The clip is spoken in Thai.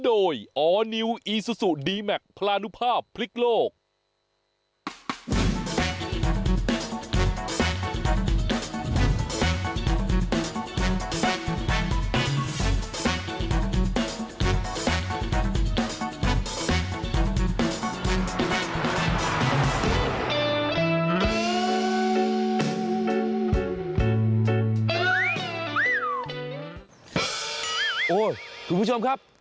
โอ้ยคุณผู้ชมครับ